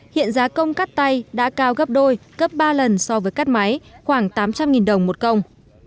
hiện giá công cắt tay đã cao gấp đôi gấp ba lần so với cắt máy khoảng tám trăm linh đồng một công